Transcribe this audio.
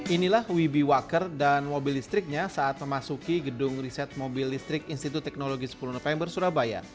inilah wibi wacker dan mobil listriknya saat memasuki gedung riset mobil listrik institut teknologi sepuluh november surabaya